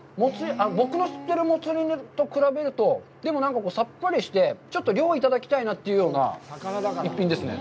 僕の知ってるもつ煮と比べると、でも、なんかさっぱりして、ちょっと量をいただきたいなというような一品ですね。